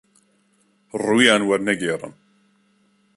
ڕوویان وەرنەگێڕن